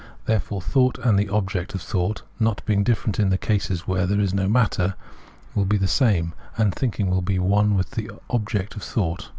Therefore thought and the object of thought, not being different in the cases where there is no matter, will be the same, and thinking will be one with the object of thought.